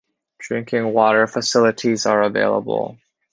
Drinking water facilities are available.